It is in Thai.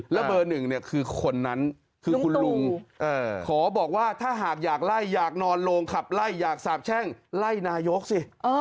เร่ายากสาปแช่งไล่นายกสิอ่า